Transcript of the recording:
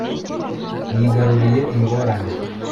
Yigaruriye ingorane